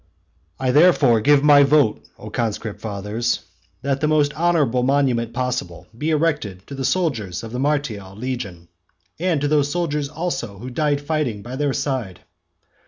XII. I therefore give my vote, O conscript fathers, that the most honourable monument possible be erected to the soldiers of the martial legion, and to those soldiers also who died fighting by their side.